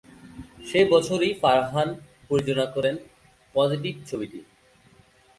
সেই বছরই ফারহান পরিচালনা করেন "পজিটিভ" ছবিটি।